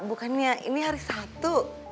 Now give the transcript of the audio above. bukannya ini hari satu